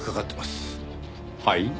はい？